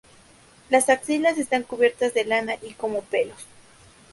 Las axilas están cubiertas de lana y como pelos.